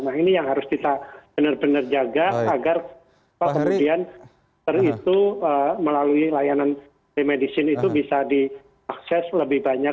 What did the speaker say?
nah ini yang harus kita benar benar jaga agar kemudian ter itu melalui layanan telemedicine itu bisa diakses lebih banyak